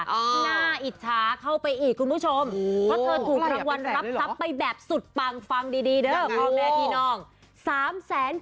น่าอิจชาเข้าไปอีกคุณผู้ชม